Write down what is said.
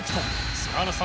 菅原さん）